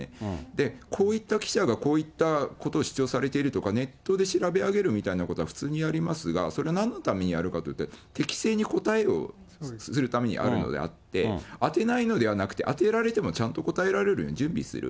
で、こういった記者が、こういったことを主張されているとか、ネットで調べ上げるみたいなことは普通にやりますが、それはなんのためにやるかと言ったら、適正に答えをするためにあるのであって、当てないのではなくて、当てられてもちゃんと答えられるように準備する。